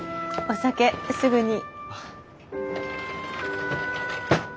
お酒すぐに。